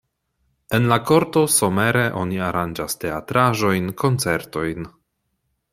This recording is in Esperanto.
En la korto somere oni aranĝas teatraĵojn, koncertojn.